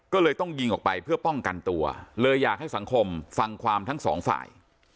ก็เลยต้องยิงออกไปเพื่อป้องกันตัวเลยอยากให้สังคมฟังความทั้งสองฝ่าย